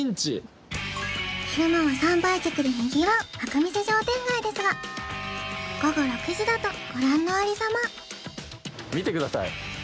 昼間は参拝客でにぎわう仲見世商店街ですが午後６時だとご覧のありさま